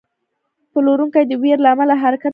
پلورونکی د ویرې له امله حرکت نه کوي.